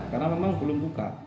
karena memang belum buka